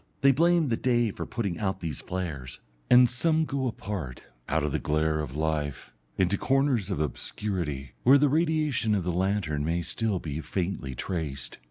They blame the day for putting out these flares. And some go apart, out of the glare of life, into corners of obscurity, where the radiation of the lantern may still be faintly traced.